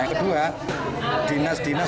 yang kedua dinas dinas